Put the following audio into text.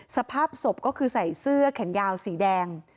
สภาพศพก็คือใส่เสื้อแขนยาวสีแดง